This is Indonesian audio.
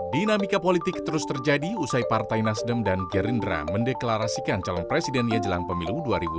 dinamika politik terus terjadi usai partai nasdem dan gerindra mendeklarasikan calon presidennya jelang pemilu dua ribu dua puluh